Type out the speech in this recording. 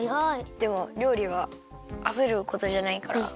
でもりょうりはあせることじゃないから。